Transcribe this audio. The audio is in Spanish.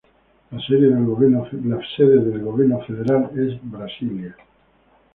La sede del gobierno federal es Brasilia.